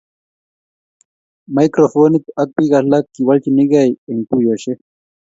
mikrofonit ak biik alak kiwolchinigei eng tuiyoshek